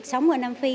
sống ở nam phi